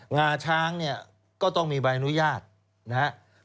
งาช้างเนี่ยก็ต้องมีใบอนุญาตนะครับ